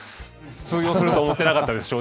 通用すると思ってなかったです